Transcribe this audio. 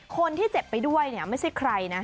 คนที่เจ็บไปด้วยไม่ใช่ใครนะ